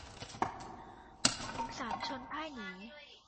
ขุนสามชนพ่ายหนี